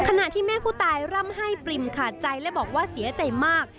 ขณะที่แม่ผู้ตายร่ำไห้ปริ่มขาดใจและบอกว่าเสียใจมาก